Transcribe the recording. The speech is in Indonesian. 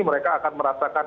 mereka akan merasakan